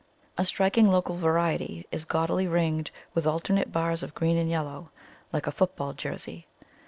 A striking local variety is gaudily ringed with alternate bars of green and yellow, like a football jersey.